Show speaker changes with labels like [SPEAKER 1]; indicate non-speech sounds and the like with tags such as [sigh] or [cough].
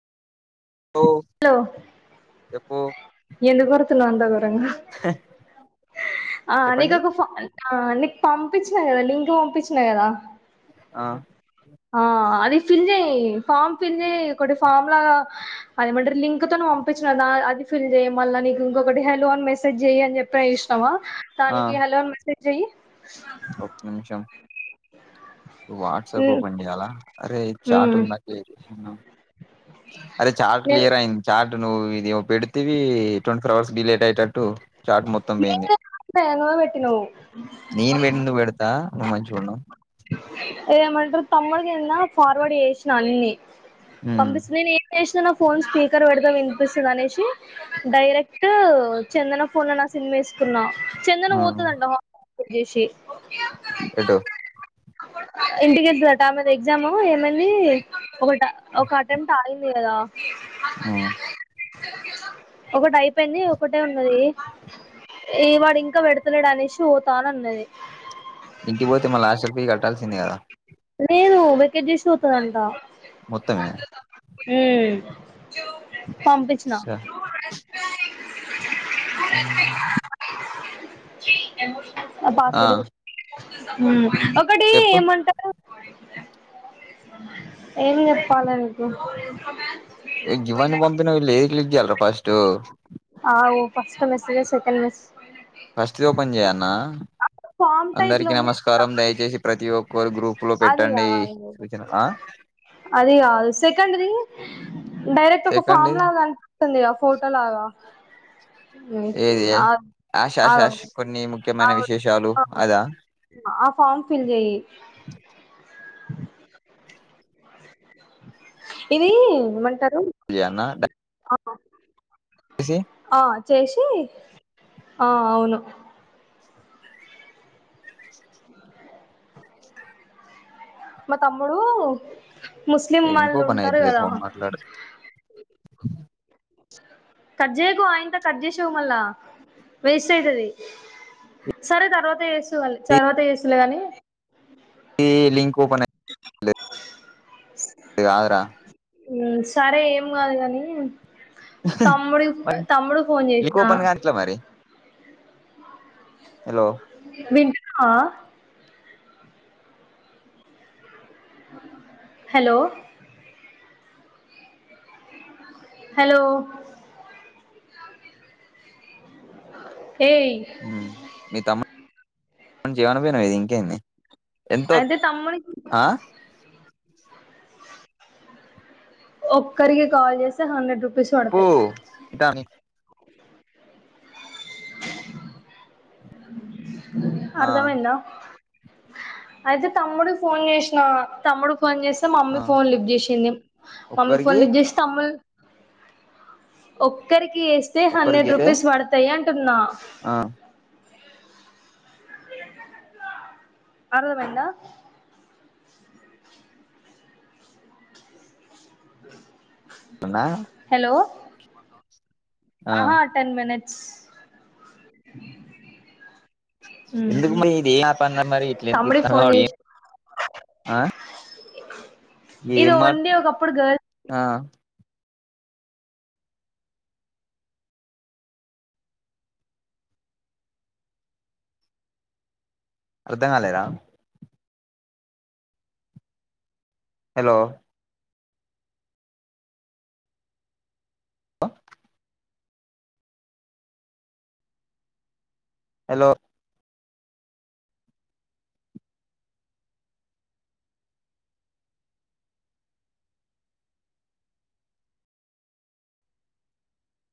[SPEAKER 1] ఓ చెప్పు
[SPEAKER 2] ఎందుకు అరుత్తన్నావ్ అంత ఘోరంగా? ఆ నీకు
[SPEAKER 1] చెప్పండి
[SPEAKER 2] ఒక ఫా ఆ నీకు పంపించినా కదా! లింక్ పంపించినా కదా!
[SPEAKER 1] ఆ
[SPEAKER 2] ఆ అది ఫిల్ చెయి. ఫామ్ ఫిల్ చేయి ఒకటి ఫామ్ లాగ అదేమంటరు లింక్ తోన ప పంపించిన నా అది ఫిల్ చెయ్యి. మళ్ల నీకు ఇంకొకటి, హలో అన్ మెసేజ్ చెయి అని చెప్ప చూసినావ,
[SPEAKER 1] ఆ
[SPEAKER 2] దానికి హలో అన్ మెసేజ్ చేయి
[SPEAKER 1] ఒక్క నిమిషం
[SPEAKER 2] [inaudible]
[SPEAKER 1] వాట్సాప్
[SPEAKER 2] మ్మ్
[SPEAKER 1] ఓపెన్ చేయాలా? అరే చాట్
[SPEAKER 2] మ్మ్
[SPEAKER 1] ఉంది నాకి లే [unintelligible] అరే చార్ట్
[SPEAKER 2] నేను
[SPEAKER 1] క్లియర్ అయింది. చార్ ట్ నువ్ ఇదేమో పెడితివి. ట్వంటీ ఫోర్ అవర్స్ డిలేట్ అయేటట్టు. చాట్ మొత్తం పోయింది.
[SPEAKER 2] నేనే పెట్టినా నువ్వే పెట్టినవు
[SPEAKER 1] నేను పెటీనివి పెడతా నువ్వు మంచిగున్నావ్.
[SPEAKER 2] ఏదేమంటారు, తమ్ముడుకి నిన్న ఫార్వర్డ్ చేసినా అన్ని.
[SPEAKER 1] ఉమ్
[SPEAKER 2] పంపించి నేనేం చేసిననో ఫోన్ స్పీకర్ పెడితే వినిపిస్తది అనేసి, డైరెక్ట్ చందన ఫోన్ లో నా సిమ్ ఏస్ తున్న. చందన
[SPEAKER 1] ఆ
[SPEAKER 2] పోతదంట. హ చేసి
[SPEAKER 1] ఎటు?
[SPEAKER 2] ఇంటికి ఎల్తదట. ఆమెది ఎగ్జాము ఏమైంది ఒకట్ ఒక అటెంప్ట్ ఆయింది కదా!
[SPEAKER 1] ఉమ్
[SPEAKER 2] ఒకటి అయిపోయింది. ఒకటే ఉన్నది. ఏ వాడు ఇంక పెడతలేడు అనేసి పోతాన్ అన్నది.
[SPEAKER 1] ఇంటికి పోతే, మల్ల ఆస్టల్ ఫి కట్టాల్సిందే కదా!
[SPEAKER 2] లేదు వెకేట్ చేసి పోతదంట.
[SPEAKER 1] మొత్తమే
[SPEAKER 2] మ్ పంపిచ్చిన. పాస్
[SPEAKER 1] ఆ
[SPEAKER 2] వర్డ్. మ్ ఒకటి
[SPEAKER 1] చెప్పు
[SPEAKER 2] ఏమంటారు? ఏం చెప్పాల నీకు
[SPEAKER 1] ఏ గివన్ని పంపినావ్, లేది క్లిక్ చేయాలి రా ఫస్ట్?
[SPEAKER 2] ఆగు ఫస్ట్ మెసేజెస్ ఓపెన్ చేసి
[SPEAKER 1] ఫస్ట్ ది ఓపెన్ చేయాన్న.
[SPEAKER 2] ఫామ్ టైప్ లో
[SPEAKER 1] అందరికి
[SPEAKER 2] ఉంది
[SPEAKER 1] నమస్కారం. దయచేసి ప్రతి ఒ కోరి గ్రూప్ లో
[SPEAKER 2] అది
[SPEAKER 1] పెట్టండి
[SPEAKER 2] కాదు
[SPEAKER 1] సూచన ఆ
[SPEAKER 2] అది కాదు సెకండ్ ది డైరెక్ట్ ఒక
[SPEAKER 1] సెకండ్
[SPEAKER 2] ఫామ్
[SPEAKER 1] ఇది
[SPEAKER 2] లాగ ఉంటుంది ఆ ఫోటో లాగ. మ్
[SPEAKER 1] ఏది
[SPEAKER 2] ఆగు
[SPEAKER 1] యాష్ యాష్
[SPEAKER 2] ఆగు
[SPEAKER 1] యాష్ కొన్ని ముఖ్యమైన
[SPEAKER 2] ఆవ్
[SPEAKER 1] విశేషాలు
[SPEAKER 2] ఆ
[SPEAKER 1] అదా
[SPEAKER 2] ఆ ఫోర్మ ఫిల్ చేయి. ఇది ఏమంటారు
[SPEAKER 1] యానా డ
[SPEAKER 2] ఆ చేసి, ఆ అవును. మా తమ్ముడు ముస్లిం
[SPEAKER 1] లింక్
[SPEAKER 2] వాళ్ళు
[SPEAKER 1] ఓపెన్
[SPEAKER 2] ఉంటారు
[SPEAKER 1] అయితలే
[SPEAKER 2] కదా!
[SPEAKER 1] ఫోన్ మాట్లాడు
[SPEAKER 2] కట్ చేయకు ఆయనతో కట్ చేసవు మళ్ళా! వేస్ట్ అయితది. సరే తర్వాత చేసువాలి, తర్వాత చేస్తువ్ లే గాని,
[SPEAKER 1] ఈ లింక్ ఓపెన్ ఏ ఆగురా
[SPEAKER 2] మ్ సరే ఏం కాదు కాని, తమ్ముడు,
[SPEAKER 1] మరి
[SPEAKER 2] తమ్ముడు కి ఫోన్
[SPEAKER 1] లింక్
[SPEAKER 2] చేసిన.
[SPEAKER 1] ఓపెన్ కాని ఎట్లా ఎలో
[SPEAKER 2] వింటున్నావా? హలో హలో ఏయ్
[SPEAKER 1] మ్మ్ తమ్మ చేయని [unintelligible] పోయినా ఇది ఇంకేంది ఎంతో
[SPEAKER 2] అంటే తమ్ముడి కీ [inaudible]
[SPEAKER 1] ఆ
[SPEAKER 2] ఒక్కరికి కాల్ చేస్తే హండ్రెడ్ రూపీస్
[SPEAKER 1] పో
[SPEAKER 2] పడతాయి
[SPEAKER 1] దానికీ ఆ
[SPEAKER 2] అర్ధాం అయిందా అయితే తమ్ముడు కీ ఫోన్ చేసిన తమ్ముడు ఫోన్ చేస్తే మా మమ్మీ
[SPEAKER 1] ఆ
[SPEAKER 2] ఫోన్ లిఫ్ట్ చేసింది మమ్మీ ఫోన్
[SPEAKER 1] ఒక్కరికి
[SPEAKER 2] లిఫ్ట్ చేస్తే అ ఒక్కరికి చేస్తే
[SPEAKER 1] ఒక్కరికి
[SPEAKER 2] హండ్రెడ్
[SPEAKER 1] చేతే
[SPEAKER 2] రూపీస్ పడతాయి అంటన్నా
[SPEAKER 1] ఆ
[SPEAKER 2] అర్దం అయిందా
[SPEAKER 1] అన్నా
[SPEAKER 2] హలో
[SPEAKER 1] ఆ
[SPEAKER 2] ఆహా టెన్ మినిట్స్
[SPEAKER 1] ఎందుకు మే ఇది ఆ సార్ నెంబర్ ఇట్లా
[SPEAKER 2] తమ్ముడికి ఫోన్
[SPEAKER 1] ఇరికిత్తన్నవ్
[SPEAKER 2] చేసి
[SPEAKER 1] [unintelligible] ఆ ఏం
[SPEAKER 2] ఇది
[SPEAKER 1] మా
[SPEAKER 2] వొన్లి ఒకప్పుడు గర్ల్స్
[SPEAKER 1] ఆ అర్ధం కాలేదా హలో హలో